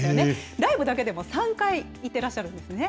ライブだけでも３回行ってらっしゃるんですね。